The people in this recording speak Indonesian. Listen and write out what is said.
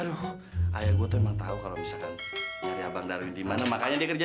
aduh ayah gue tuh emang tahu kalau misalkan nyari abang darwin di mana makanya dia kerja